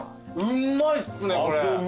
うんまいっすねこれ。